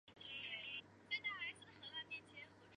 剧团以演出莎士比亚作品为主。